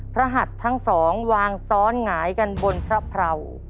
หัดทั้งสองวางซ้อนหงายกันบนพระเผา